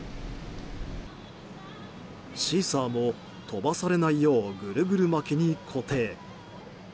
シーサーも飛ばされないようぐるぐる巻きに固定。